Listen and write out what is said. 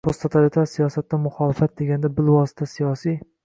Posttotalitar siyosatda, “muxolifat” deganda, bilvosita siyosiy